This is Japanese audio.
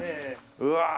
うわ